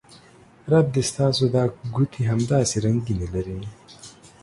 رب دې ستاسو دا ګوتې همداسې رنګینې لرې